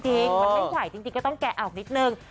มันไม่ไหวจริงก็ต้องแกะอาวนิดนึง